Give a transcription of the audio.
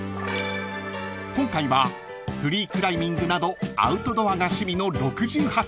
［今回はフリークライミングなどアウトドアが趣味の６８歳］